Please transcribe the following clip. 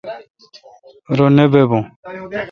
رو نہ بابھو۔